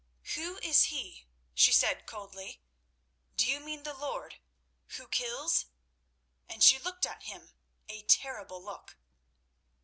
"Who is he?" she said coldly. "Do you mean the lord—who kills?" And she looked at him—a terrible look.